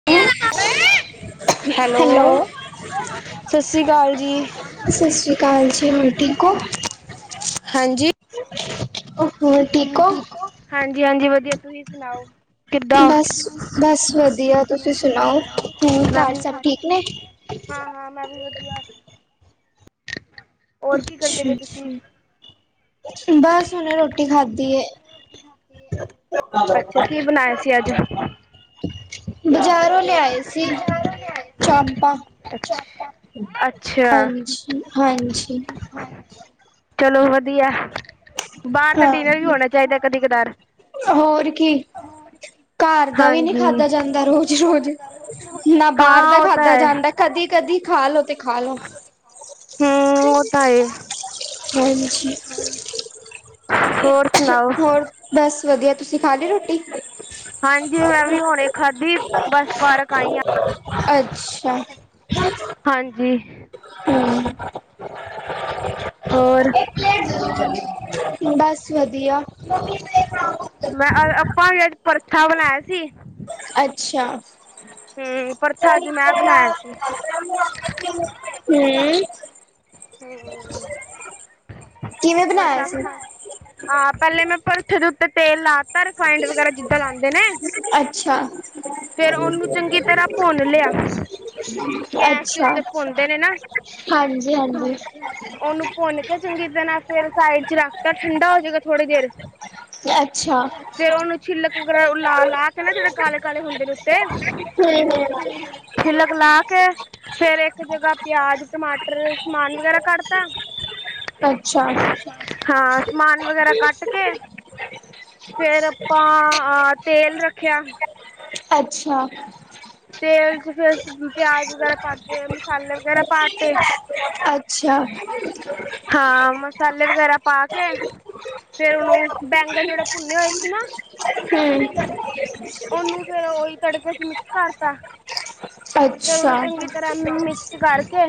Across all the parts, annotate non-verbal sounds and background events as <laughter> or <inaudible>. <unintelligible> Hello ਸਸੀਕਾਲ ਜੀ। ਸਤਿ ਸ਼੍ਰੀ ਅਕਾਲ ਜੀ ਹੋਰ ਠੀਕ ਹਾਂਜੀ ਹੋ ਹੋਰ ਠੀਕ ਓ। ਹਾਂਜੀ-ਹਾਂਜੀ ਵਧੀਆ ਤੁਸੀਂ ਸੁਣਾਓ। ਕਿੱਦਾਂ ਬਸ ਵਧੀਆ ਤੁਸੀਂ ਸੁਣਾਓ ਮੈਂ ਠੀਕ ਹਾਂ। ਹਾਂ-ਹਾਂ ਮੈਂ ਵੀ ਵਧੀਆ ਹੋਰ ਕੀ ਕਰਦੇ ਪੇ ਤੁਸੀ ਬਸ ਹੁਣੇ ਰੋਟੀ ਅਸੀ ਖਾਧੀ ਬਸ ਏ ਹੁਨੇ ਰੋਟੀ ਖਾਦੀ ਏ ਅੱਛਾ ਕੀ ਬਣਾਇਆ ਸੀ ਅੱਜ ਬਾਜ਼ਾਰੋਂ ਲਿਆਏ ਸੀ ਚਾਂਪਾ ਅੱਛਾ ਹਾਂਜੀ-ਹਾਂਜੀ ਚਲੋ ਵਧੀਆ ਬਾਰ ਤਾਂ ਹਾਂ ਡਿਨਰ ਵੀ ਹੋਣਾ ਚਾਈਦਾ ਕਦੀ ਕਦਾਰ ਹੋਰ ਕੀ ਘਾਰ ਦਾ ਵੀ ਨਈ ਹਾਂਜੀ ਖਾਧਾ ਜਾਂਦਾ ਰੋਜ਼ ਰੋਜ਼ ਨਾ ਬਾਰ ਹਾਂ ਦਾ ਉਹ ਤਾਂ ਖਾਧਾ ਹੈ ਜਾਂਦਾ ਕਦੀ-ਕਦੀ ਖਾ ਲੋੋ ਤੇ ਖਾ ਲੋੋ। ਹੂੰ ਓ ਤਾਂ ਐ। ਹਾਂਜੀ ਹੋਰ ਸੁਣਾਓ ਹੋਰ ਬਸ ਵਧੀਆ ਤੁਸੀ ਖਾ ਲੀ ਰੋਟੀ। ਹਾਂਜੀ ਮੈਂ ਵੀ ਹੁਣੇ ਖਾਧੀ ਬਸ ਪਾਰਕ ਆਈ ਆ ਅੱਛਾ ਹਾਂਜੀ ਹੂੰ ਹੋਰ ਬਸ ਵਧੀਆ ਆਪਾਂ ਵੀ ਅੱਜ ਪਰਥਾ ਬਣਾਇਆ ਸੀ। ਅੱਛਾ ਹੂੰ ਪਰਥਾ ਅੱਜ ਮੈਂ ਬਣਾਇਆ ਸੀ ਹੂੰ <inaudible> ਕਿਵੇਂ ਬਣਾਇਆ ਸੀ? ਹਾਂ ਪੈਲੇ ਮੈਂ ਭਰਥੇ ਦੇ ਉੱਤੇ ਤੇਲ ਲਾ ਤਾ ਰਿਫਾਇਡ ਵਗੈਰਾ ਜਿੱਦਾਂ ਲਾਂਦੇ ਨੇ। ਅੱਛਾ ਫੇਰ ਉਹਨੂੰ ਚੰਗੀ ਤਰ੍ਹਾਂ ਭੁੰਨ ਲਿਆ ਗੈਸ ਦੇ ਅੱਛਾ ਉੱਤੇ ਭੁੰਨਦੇ ਹਾਂਜੀ-ਹਾਂਜੀ। ਉਨੂੰ ਭੁੰਨ ਕੇ ਚੰਗੀ ਤਰ੍ਹਾਂ ਫੇਰ ਸਾਈਡ 'ਚ ਰੱਖਤਾ ਠੰਡਾ ਹੋ ਜਾਏਗਾ ਥੋੜੀ ਦੇਰ ਅੱਛਾ ਫੇਰ ਉਨੂੰ ਛਿੱਲਕ ਵਗੈਰਾ ਲਾ-ਲਾ ਕੇ ਨਾ ਜੇੜੇ ਕਾਲੇ-ਕਾਲੇ ਹੁੰਦੇ ਨੇ ਉੱਤੇ ਹੂੰ, ਹੂੰ, ਛਿਲਕ ਲਾ ਕੇ ਫੇਰ ਇੱਕ ਜਗ੍ਹਾ ਪਿਆਜ ਟਮਾਟਰ ਸਮਾਨ ਵਗੈਰਾ ਕੱਟ ਤਾ ਅੱਛਾ ਹਾਂ ਸਮਾਨ ਵਗੈਰਾ ਕੱਟ ਕੇ ਫੇਰ ਆਪਾਂ ਅ ਤੇਲ ਰੱਖਿਆ। ਅੱਛਾ ਤੇਲ 'ਚ ਫੇਰ ਅਸੀ ਪਿਆਜ ਵਗੈਰਾ ਪਾ ਤੇ ਆ ਮਸਾਲੇ ਵਗੈਰਾ ਪਾ ਤੇ ਅੱਛਾ, ਹੂੰ, ਹਾਂ ਮਸਾਲੇ ਵਗੈਰਾ ਪਾ ਕੇ ਫੇਰ ਉਨੂੰ ਬੈਂਗਨ ਜੇੜੇ ਭੁੰਨੇ ਹੋਏ ਸੀ ਨਾ ਉਨੂੰ ਫੇਰ ਉਹੀ ਤੜਕੇ 'ਚ ਮਿਕਸ ਕਰ ਤਾ। ਫੇਰ ਅੱਛਾ, ਉਨੂੰ ਚੰਗੀ ਤਰ੍ਹਾਂ ਮਿਕਸ ਕਰਕੇ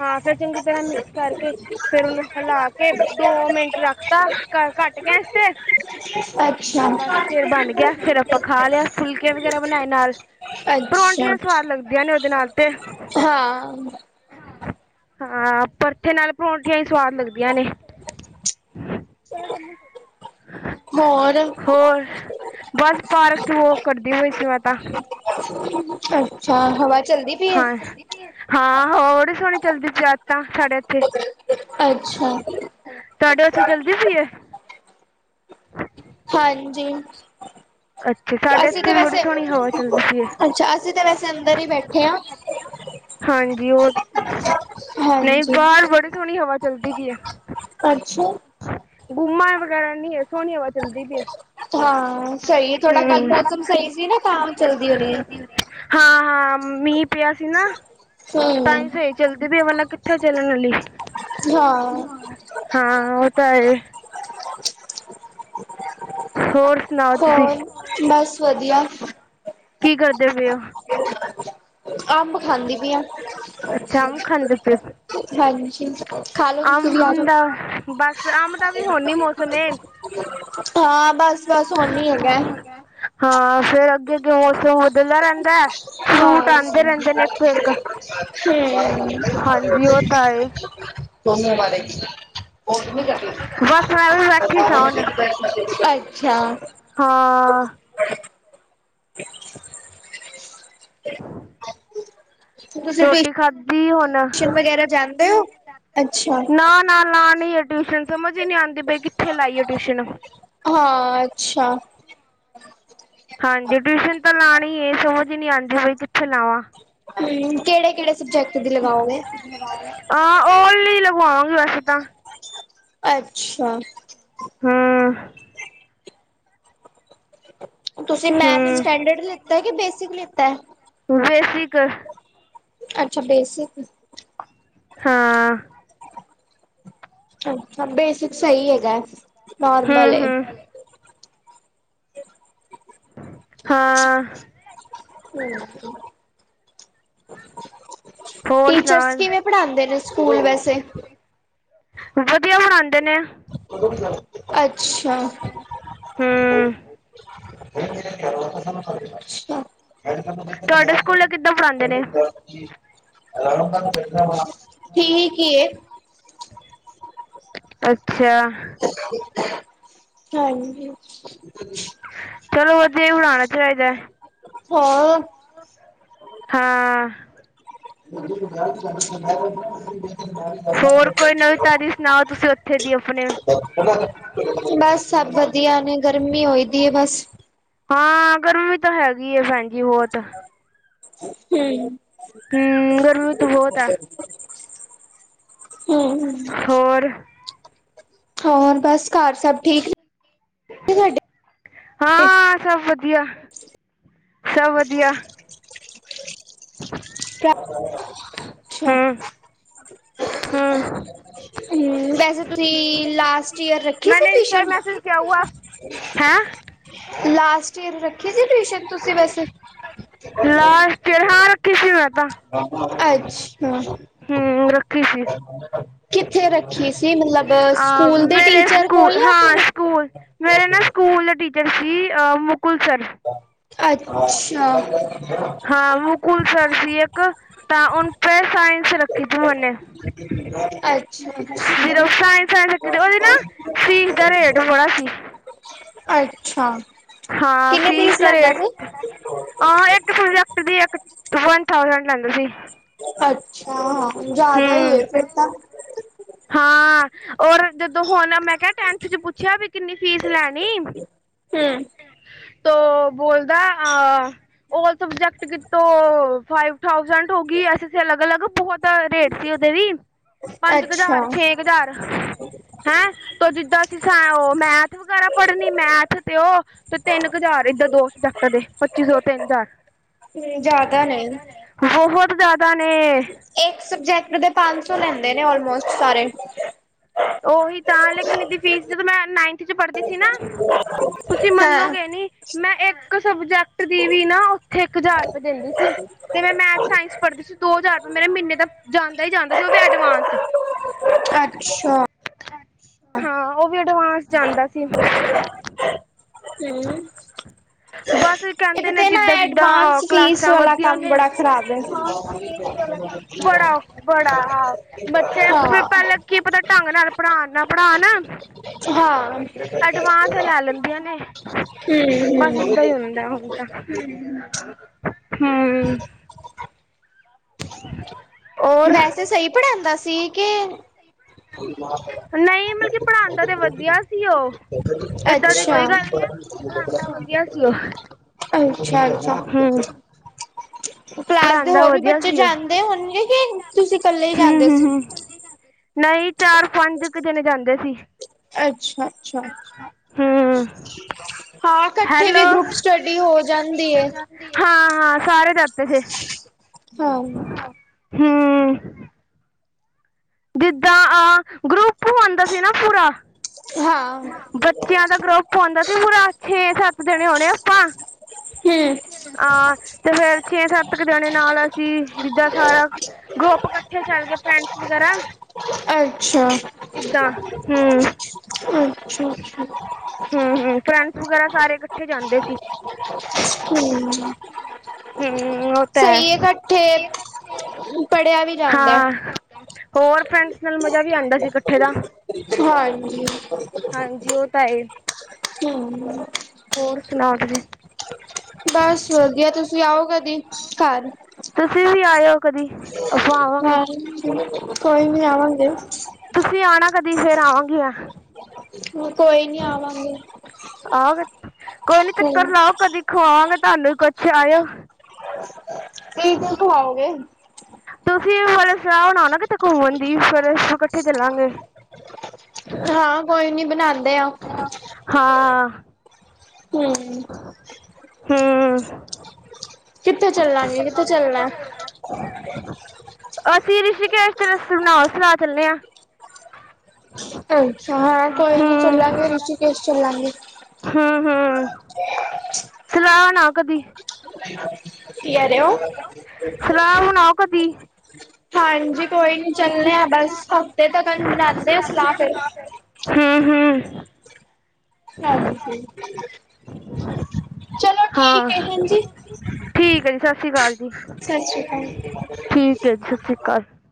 ਹਾਂ ਫਿਰ ਚੰਗੀ ਤਰ੍ਹਾਂ ਮਿਕਸ ਕਰਕੇ ਫੇਰ ਉਨੂੰ ਹਿਲਾ ਕੇ ਦੋ ਮਿੰਟ ਰੱਖਤਾ ਘ ਘੱਟ ਗੈਸ ਤੇ ਅੱਛਾ ਬਸ ਫੇਰ ਬਣ ਗਿਆ ਫੇਰ ਆਪਾਂ ਖਾ ਲਿਆ ਫੁਲਕੇ ਵਗੈਰਾ ਬਣਾਏ ਨਾਲ ਅੱਛਾ, ਪਰੋਂਂਠੀਆਂ ਸਵਾਦ ਲੱਗਦੀਆਂ ਨੇ ਉਦੇ ਨਾਲ ਤੇ ਹਾਂ। ਹਾਂ, ਪਰਥੇ ਨਾਲ ਪਰੌਂਠੀਆਂ ਈ ਸਵਾਦ ਲੱਗਦੀਆਂ ਨੇਂ। ਸੋ ਜਾ ਹੋਰ। ਹੋਰ, ਬਸ ਪਾਰਕ ਚ ਵਾਕ ਕਰਦੀ ਪਈ ਸੀ ਮੈਂ ਤਾਂ। ਅੱਛਾ, ਹਵਾ ਚਲਦੀ ਪਈ ਏ। ਹਾਂ ਹਾਂ, ਹਵਾ ਬੜੀ ਸੋਣੀ ਚੱਲਦੀ ਪੀ ਅੱਜ ਤਾਂ, ਸਾਡੇ ਏਥੇ। ਅੱਛਾ। ਤੁਹਾਡੇ ਉੱਥੇ ਚਲਦੀ ਪਈ ਏ ਹਾਂਜੀ। ਅੱਛਾ ਸਾਡੇ ਅਸੀਂ ਤੇ ਇੱਥੇ ਵੀ ਬੜੀ ਵੈਸੇ, ਸੋਹਣੀ ਹਵਾ ਚੱਲਦੀ ਪਈ ਏ ਅੱਛਾ ਅਸੀਂ ਤੇ ਵੈਸੇ ਅੰਦਰ ਈ ਬੈਠੇ ਆਂ। ਹਾਂਜੀ ਓ, ਨਈਂ ਹਾਂਜੀ ਬਾਰ ਬੜੀ ਸੋਣੀ ਹਵਾ ਚੱਲਦੀ ਪੀ ਐ। ਕਰਛਾ ਗੁੰਮਾ ਵਗੈਰਾ ਨੀਂ ਐ, ਸੋਣੀ ਹਵਾ ਚੱਲਦੀ ਪੀ ਏ। ਹਾਂ, ਸਈ, ਥੋੜਾ ਕੱਲ ਹੂੰ, ਮੌਸਮ ਸਈ ਸੀ ਨਾ ਤਾਂ ਚੱਲਦੀ ਹੁਣੀ ਐ। ਹਾਂ ਹਾਂ, ਮੀਂਅ ਪਿਆ ਸੀ ਨਾ ਤਾਂ ਈ ਹੂੰ ਸਈ ਚਲਦੀ ਤੇ ਵਰਨਾਂ ਕਿੱਥੋਂ ਚੱਲਣ ਆਲੀ। ਹਾਂ। ਹਾਂ, ਓ ਤਾਂ ਹੈਈ। ਹੋਰ। ਸੁਣਾਓ ਤੁਸੀਂ ਹੋਰ, ਬਸ ਵਧੀਆ। ਕੀ ਕਰਦੇ ਪੇ ਓ? ਅੰਬ ਖਾਂਦੀ ਪੀ ਆਂ। ਅੱਛਾ ਅੰਬ ਖਾਂਦੇ ਪਏ ਹੋ ਹਾਂਜੀ। ਖਾ ਲੋ ਤੁਸੀਂ ਵੀ ਆਜੋ। ਅੰਬ ਦਾ ਬਸ ਅੰਬ ਦਾ ਵੀ ਹੁਣ ਨੀ ਮੌਸਮ ਏ <unintelligible> ਹਾਂ, ਬਸ ਬਸ ਹੁਨ ਵੀ ਹੈਗਾ। ਹਾਂ, ਫੇਰ ਅੱਗੇ-ਅੱਗੇ ਮੌਸਮ ਬਦਲਦਾ ਰੈਂਦਾ। ਹਾਂ। <unintelligible> ਹਂ। ਹਾਂਜੀ ਉਹ ਤਾਂ ਹੈ ਤੁਮਨੇਂ ਮਾਰੇ <unintelligible> ਬਸ ਮੈਂ ਵੀ ਬੈਠੀ ਸਾਂ ਹੁਣ <unintelligible> ਅੱਛਾ। ਹਾਂ। ਤੁਸੀਂ ਰੋਟੀ ਖਾਧੀ ਹੁਣ। ਟਿਊਸ਼ਨ ਵਗੈਰਾ ਜਾਂਦੇ ਹੋ? ਅੱਛਾ। ਨਾਂ ਨਾਂ, ਲਾਣੀ ਐ ਟਵੀਸ਼ਨ ਸਮਝ ਈ ਨੀਂ ਆਂਦੀ ਪਈ ਕਿੱਥੇ ਲਾਇਏ ਟਵੀਸ਼ਨ। ਹਾਂ, ਅੱਛਾ। ਹਾਂਜੀ ਟਿਊਸ਼ਨ ਤਾਂ ਲਾਣੀ ਐ, ਸਮਝ ਈ ਨੀਂ ਆਂਦੀ ਬਈ ਕਿੱਥੇ ਲਾਵਾਂ। ਹਂ, ਕੇੜੇ-ਕੇੜੇ ਸਬਜੈਕਟ ਦੀ ਲਗਾਓਗੇ। ਹਾਂ, ਓ ਵਾਲੀ ਲਗਵਾ ਵਾਂਗੇ ਵੈਸੇ ਤਾਂ। ਅੱਛਾ। ਹਂ। ਤੁਸੀਂ ਮੈਥ ਹਮ ਸਟੈਂਡਰਡ ਲਿੱਤਾ ਕਿ ਬੇਸਿਕ ਲਿੱਤਾ ਐ। ਬੇਸਿਕ। ਅੱਛਾ, ਬੇਸਿਕ। ਹਾਂ। ਅੱਛ ਬੇਸਿਕ ਸਈ ਹੈਗਾ, ਨੋਰਮਲ ਹਮ ਏ। ਹਮ ਹਾਂ। <unintelligible> ਹਂ <unintelligible> ਹੋਰ ਸੁਣਾ ਟੀਚਰਸ ਕਿਵੇਂ ਪੜ੍ਹਾਂਦੇ ਨੇ ਸਕੂਲ ਵੈਸੇ। ਵਧੀਆ ਪੜ੍ਹਾਂਦੇ ਨੇ। <unintelligible> ਅੱਛਾ। <unintelligible> ਹਮ ਸਾਰੇ ਕੰਮ ਕਿਹਨਾਂ ਦਾ ਦਾ ਮੈਂ ਤੁਹਾਡੇ ਸਕੂਲੇ ਕਿੱਦਾਂ ਪੜ੍ਹਾਉਂਦੇ ਨੇ ਤੈਨੂੰ <unintelligible> ਆਰਾਮ ਨਾਲ ਮੈਂ ਬੈਠਾ ਵਾਂ, ਠੀਕ ਹੀ ਏ। ਅੱਛਾ। <inaudible> ਹਾਂਜੀ। ਚਲੋ ਵਧੀਆ ਉੜਾਣਾ ਚਾਹੀਦਾ। ਹੋਰ। ਹਾਂ। ਤੂੰ ਜਦੋਂ ਵਿਆਹ ਤੇ ਜਾਨੀ ਸੇ ਮੈਂ ਤੈਨੂੰ ਕਿਆ ਸੀ ਬੱਚੇ ਬਿਮਾਰ ਹੋਰ ਕੋਈ ਨਵੀਂ ਤਾਜ਼ੀ ਸੁਣਾਓ ਤੁਸੀਂ ਉੱਥੇ ਦੀ ਆਪਣੇ ਹੀ। <unintelligible> ਬਸ ਸਭ ਵਧੀਆ ਨੇ, ਗਰਮੀ ਹੋਈ ਦੀ ਹੈ ਬਸ। ਹਾਂ ਗਰਮੀ ਵੀ ਤਾਂ ਹੈਗੀ ਹੈ ਭੈਣ ਜੀ ਬੋਹੁਤ। ਹੂੰ। ਹੂੰ ਗਰਮੀ ਤੇ ਬਹੁਤ ਹੈ। ਹੂੰ। ਹੋਰ? ਹੋਰ ਬਸ ਘਰ ਸਭ ਠੀਕ? ਤੁਹਾਡੇ? ਹਾਂ, ਸਭ ਵਧੀਆ, ਸਭ ਵਧੀਆ। <inaudible> ਅੱਛਾ। ਹਮ ਹਮ ਹੂੰ ਵੇਸੇ। ਤੁਸੀਂ ਲਾਸਟ ਈਅਰ ਰੱਖੀ ਸੀ ਮੈਨੇ Insta tuition. Message last year ਰੱਖੀ ਸੀ ਟਿਸ਼ਨ ਤੁਸੀ ਵੈਸੇ। ਫੇਰ ਹਾਂ ਰੱਖੇ ਸੀ ਮੈ ਤਾਂ। ਅੱਛਾ। ਹੂੰ ਰੱਖੀ ਸੀ। <inaudible> ਰੱਖੀ ਸੀ, ਮਤਲਬ ਅ ਸਕੂਲ ਦੇ ਮੇਰੇ ਟੀਚਰ ਸਕੂਲ ਕੋਲ ਜਾਂ ਹਾਂ ਫਿਰ ਸਕੂਲ ਮੇਰੇ ਨਾ ਸਕੂਲ ਟੀਚ ਜਰਸੀ ਅਹ ਮੁਕੁਲ ਸਰ। ਅੱਛਾ। ਹਾਂ ਮੁਕੁਲ ਸਰ ਸੀ ਇੱਕ, ਤਾਂ ਉਹਨੂੰ ਸਾਇੰਸ ਰੱਖੀ ਸੀ ਮਨੇ। ਅੱਛਾ, ਅੱਛਾ। ਸਿਰਫ ਸਾਇੰਸ ਸਾਇੰਸ ਰੱਖੀ ਤੀ ਉਹਦੀ ਨਾ ਫੀਸ ਦਾ ਰੇਟ ਬੜਾ ਸੀ। ਅੱਛਾ। ਹਾਂ ਕਿੰਨੇ ਫੀਸ ਦਾ ਲੈਂਦਾ ਸੀ? ਰੇਟਹ, ਹਾਂ ਇ ਹਰ ਸਬਜੇਕਟ ਦੀ ਇਕ ਵਨ ਥਾਓਜੈਡ ਲੈਂਦੇ ਸੀ। ਅੱਛਾ ਹਾਂ, ਜਿਆਦਾ ਹੀ ਹੈ ਹੂੰ ਫੇਰ ਤਾਂ। ਹਾਂ ਔਰ ਜਦੋਂ ਹੁਣ ਮੈ ਮੈ ਟੈਨਥ ਚ ਪੁੱਛਿਆ ਵੀ ਕਿੰਨੀ ਫੀਸ ਲੈਣੀ ਹੂੰ। ਤੋਂ ਬੋਲਦਾ ਹਾਂ ਔਲ ਸਬਜੈਕਟ ਕਿਤੋ ਫਾਈਵ ਥਾਓਜੈਂਟ ਹੋ ਗਈ, ਐ ਅਲੱਗ-ਅਲੱਗ ਬਹੁਤ ਰੇਟ ਸੀ ਉਹਦੇ ਵੀ, ਪੰਜ ਅੱਛਾ, ਹਜ਼ਾਰ ਛੇ ਕੁ ਹਜ਼ਾਰ ਹੈਂ ਤੋ ਜਿਦਾਂ ਅਸੀ ਉਹ ਮੈਥ ਵਗੈਰਾ ਪੜ੍ਹਨੀ ਮੈਥ ਤੇ ਉਹ ਤੇ ਤਿੰਨ ਕੁ ਹਜ਼ਾਰ ਇਧਰ ਦੋ ਸਬਜੈਕਟ ਦੇ ਪੱਚੀ ਸੋ ਤਿੰਨ ਹਜ਼ਾਰ। ਨਹੀਂ ਜਿਆਦਾ ਨੇ। ਬਹੁਤ ਜਿਆਦਾ ਨੇ। ਇਕ ਸਬਜੈਕਟ ਦੇ ਪੰਜ ਸੋ ਲੈਦੇ ਨੇ ਔਲਮੋਸਟ ਸਾਰੇ। ਉਹੀ ਤਾਂ ਲੇਕਿਨ ਇਹਦੀ ਫੀਸ ਜਦੋ ਮੈ ਨਾਈਨਥ ਚ ਪੜ੍ਹਦੀ ਸੀ ਨਾ ਤੁਸੀ ਹਾਂ, ਮੰਨੋਗੇ ਨੀ ਮੈ ਇਕ ਸਬਜੈਕਟ ਦੀ ਵੀ ਨਾ ਉਥੇ ਇਕ ਹਜ਼ਾਰ ਰੁਪਏ ਦਿੰਦੀ ਸੀ। ਤੇ ਮੈ ਮੈਥ, ਸਾਇੰਸ ਪੜ੍ਹਦੀ ਸੀ ਦੋ ਹਜ਼ਾਰ ਰੁਪ ਮੇਰੇ ਮਹੀਨੇ ਦਾ ਜਾਂਦਾ ਹੀ ਜਾਂਦਾ ਸੀ ਉਹ ਵੀ ਐਡਵਾਂਸ। ਅੱਛਾ। ਹਾਂ ਉਹ ਵੀ ਅਡਵਾਂਸ ਜਾਂਦਾ ਸੀ। ਹ ਹੂੰ, <inaudible> ਬਸ ਇੱਕ ਕਹਿਦੇ ਨੇ ਤੇ ਨਾ ਜਿਦਾਂ-ਜਿਦਾਂ ਅਹ ਐਡਵਾਂਸ ਫੀਸ ਕਲਾਸਾਂ ਵਾਲਾ ਵੱਧਦੀਆਂ ਕੰਮ ਨੇ, ਬੜਾ ਖ਼ਰਾਬ ਹੈ। ਬੜਾ ਬੜਾ ਹਾਂ ਬੱਚੇ ਹਾਂ, ਪਹਿਲਾ ਕੀ ਪਤਾ ਢੰਗ ਨਾਲ ਪੜ੍ਹਾਉਣ ਨਾ ਪੜ੍ਹਾਉਣ। ਹਾਂ। ਐਡਵਾਂਸ ਲੈ ਲੈਦੀਆਂ ਨੇ, ਹੂੰ, ਬਸ ਏਦਾ ਹੀ ਹੁੰਦਾ ਹੁਣ। ਹਮ। <inaudible> ਵੈਸੇ ਸਹੀ ਪੜ੍ਹਾਉਦਾ ਸੀ ਕੈ ਨਹੀਂ ਮਤਲਬ ਕੀ ਪੜ੍ਹਾਉਦਾ ਤੇ ਵਧੀਆ ਸੀ ਉਹ। ਏਦਾਂ ਦੀ ਕੋਈ ਅੱਛਾ, ਗੱਲ ਨੀ ਹੈ। ਪੜਾਂਦਾ ਵਧਿਆ ਸੀ ਓ। ਅੱਛਾ-ਅੱਛਾ। ਕਲਾਸ ਦੇ ਪੜ੍ਹਾਉਂਦਾ ਹੋਰ ਵੀ ਵਧੀਆ ਬੱਚੇ ਸੀ ਉਹ ਜਾਂਦੇ ਹੋਣਗੇ, ਕਿ ਤੁਸੀਂ ਕੱਲੇ ਹੀ ਹੂੰ ਜਾਂਦੇ ਹੂੰ ਸੀ। ਹੂੰ ਨਹੀਂ ਚਾਰ-ਪੰਜ ਕੁ ਜਿਨੇ ਜਾਂਦੇ ਸੀ। ਅੱਛਾ-ਅੱਛਾ। ਹਮ ਹਾਂ ਇਕੱਠੇ ਵੀ ਹੈਲੋ ਗਰੁੱਪ ਸਟੱਡੀ ਹੋ ਜਾਂਦੀ ਹੈ। ਹਾਂ-ਹਾਂ ਸਾਰੇ ਜਾਤੇ ਥੇ। ਹਮ। ਹਮ। ਜਿੱਦਾਂ ਆਹ ਗਰੁੱਪ ਹੋਂਦਾ ਸੀ ਨਾ ਪੂਰਾ। ਹਾਂ ਬੱਚਿਆਂ ਦਾ ਗਰੁੱਪ ਆਉਂਦਾ ਸੀ ਪੂਰਾ ਛੇ-ਸੱਤ ਜਣੇ ਆਉਣੇ ਆਪਾਂ। ਹਮ। ਹਾਂ ਤੇ ਫੇਰ ਛੇ-ਸੱਤ ਕੁ ਜਾਣੇ ਨਾਲ ਸੀ, ਜਿੱਦਾਂ ਸਾਰਾ ਗਰੁੱਪ ਇਕੱਠੇ ਚੱਲ ਗਏ ਫਰੈਂਡਸ ਵਗੈਰਾ। ਅੱਛਾ। <unintelligible> ਅੱਛਾ। ਹਮ-ਹਮ ਫਰੈਂਡਸ ਵਗੈਰਾ ਸਾਰੇ ਇਕੱਠੇ ਜਾਂਦੇ ਸੀ। ਹਮ। ਹੂੰ ਉਹ ਤਾਂ ਸਹੀ ਹੈ ਇਕੱਠੇ, ਪੜ੍ਹਿਆ ਵੀ ਜਾਂਦਾ ਐ। ਹਾਂ ਹੋਰ ਫਰੈਂਡਸ ਨਾਲ ਮੂਜਾ ਵੀ ਆਉਂਦਾ ਸੀ‌ ਇਕੱਠੇ ਦਾ। ਹਾਂਜੀ। ਹਾਂਜੀ ਉਹ ਤਾਂ ਹੈਹੀ। ਹਮ। ਹੋਰ ਸੁਣਾਓ ਤੁਸੀਂ? ਬੱਸ ਵਧੀਆ, ਤੁਸੀਂ ਆਓ ਕਦੀ ਘਰ। ਤੁਸੀਂ ਵੀ ਆਇਓ ਕਦੀ। ਆਪਾਂ ਆਵਾਂਗੇ ਹਾਂ ਕੋਈ ਨੀ ਆਵਾਂਗੇ। ਤੁਸੀਂ ਆਉਣਾ ਕਦੀ ਫੇਰ ਆਵਾਂਗੀ ਮੈਂ। ਮੈਂ ਕੋਈ ਨੀ ਆਵਾਂਗੇ। ਆ ਵੇ, ਕੋਈ ਨੀ ਚੱਕਰ ਹੂੰ ਲਾਓ ਕਦੀ ਖਵਾਵਾਂਗੇ ਤੁਹਾਨੂੰ ਵੀ ਕੁਛ ਆਇਓ। ਤੁਸੀ ਕਾਤੋ ਆਓਗੇ। ਤੁਸੀਂ ਵੀ ਫਿਰ ਸਲਾਹ ਬਣਾਓ ਨਾ ਕਿਤੇ ਘੁੰਮਣ ਦੀ ਫਿਰ ਕੱਠੇ ਚੱਲਾਂਗੇ। ਹਾਂ ਕੋਈ ਨੀ ਬਣਾਦੇ ਆ। ਹਾਂ ਹੂੰ ਹੂੰ ਕਿੱਥੇ ਚੱਲਾਂਗੇ ਕਿੱਥੇ ਚੱਲਣਾ? ਅਸੀਂ ਰਿਸ਼ੀਕੇਸ਼ ਤੇ ਰਸ ਬਣਾਓ ਸਲਾ ਚੱਲੇ ਆ। ਅੱਛਾ ਹਾਂ ਕੋਈ ਨੀ ਹੂੰ ਚੱਲਾਂਗੇ ਰਿਸ਼ੀਕੇਸ਼ ਚੱਲਾਂਗੇ। ਹੂੰ-ਹੂੰ। <unintelligible> ਸਲਾਹ ਨਾ ਕਦੀ ਕੀ ਕਹਿ ਰੇ ਓ? ਸਲਾਹ ਬਣਾਓ ਕਦੀ ਹਾਂਜੀ ਕੋਈ ਨੀ ਚੱਲੇ ਆ ਬੱਸ ਹਫ਼ਤੇ ਤੱਕ ਬਨਾਦੇ ਆ ਸਲਾਹ ਫਿਰ। ਹੂੰ-ਹੂੰ ਹਾਂਜੀ। ਚਲੋ ਹਾਂ, ਠੀਕ ਹੈ ਹਾਂਜੀ, ਠੀਕ ਆ ਜੀ। ਸਾਸਰੀ ਕਾਲ ਜੀ, ਸਤਿ ਸ਼੍ਰੀ ਅਕਾਲ। ਠੀਕ ਏ ਜੀ ਸਾਸਰੀ ਕਾਲ।